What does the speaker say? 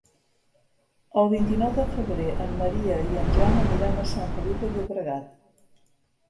El vint-i-nou de febrer en Maria i en Jan aniran a Sant Feliu de Llobregat.